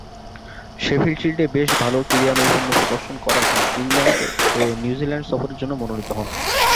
Sheffield শিল্ডে বেশ ভাল ক্রীড়ানৈপুণ্য প্রদর্শন করায় তিনি ইংল্যান্ড ও নিউজিল্যান্ড সফরের জন্য মনোনীত হন।